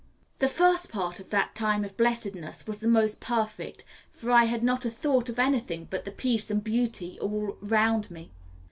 The first part of that time of blessedness was the most perfect, for I had not a thought of anything but the peace and beauty all round me.